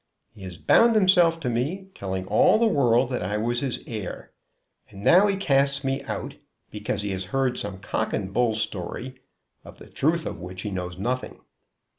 He has bound himself to me, telling all the world that I was his heir. And now he casts me out because he has heard some cock and bull story, of the truth of which he knows nothing.